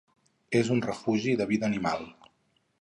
És un refugi de vida animal.